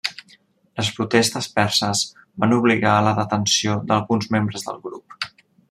Les protestes perses van obligar a la detenció d'alguns membres del grup.